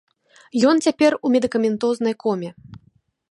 Ён цяпер у медыкаментознай коме.